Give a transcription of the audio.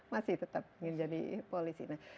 masih tetap ingin jadi polisi